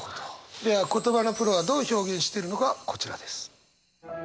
では言葉のプロはどう表現してるのかこちらです。